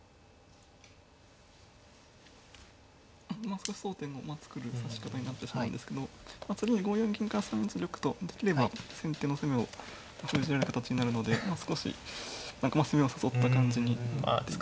少し争点を作る指し方になってしまうんですけど次に５四銀から３一玉とできれば先手の攻めを封じるような形になるので少し攻めを誘った感じになりますね。